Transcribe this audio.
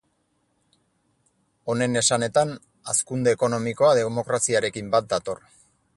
Honen esanetan, hazkunde ekonomikoa demokraziarekin bat dator.